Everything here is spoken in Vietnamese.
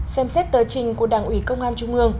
xem xét tờ trình của đảng ủy công an trung ương